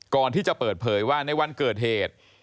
ก่อนที่จะเปิดเผยว่าในวันเกิดเหตุ